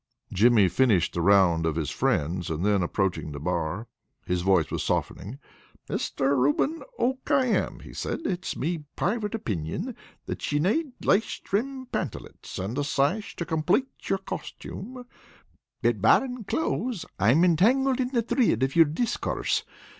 Jimmy finished the round of his friends, and then approached the bar. His voice was softening. "Mister Ruben O'Khayam," he said, "it's me private opinion that ye nade lace trimmed pantalettes and a sash to complate your costume, but barrin' clothes, I'm entangled in the thrid of your discourse.